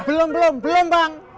belum belum belum bang